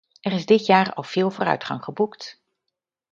Er is dit jaar al veel vooruitgang geboekt.